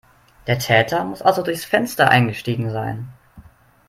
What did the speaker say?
Der Täter muss also durchs Fenster eingestiegen sein.